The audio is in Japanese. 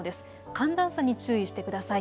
寒暖差に注意してください。